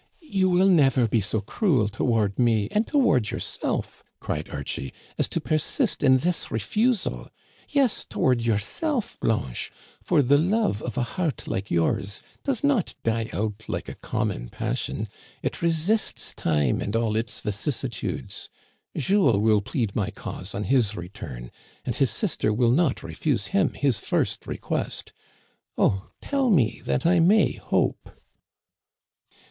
" You will never be so cruel toward me and toward yourself," cried Archie, as to persist in this refusal ! Yes, toward yourself, Blanche, for the love of a heart like yours does not die out like a common passion ; it resists time and all vicissitudes. Jules will plead my cause on his return, and his sister will not refuse him his first request. Oh, tell me that I may hope